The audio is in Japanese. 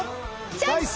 チョイス！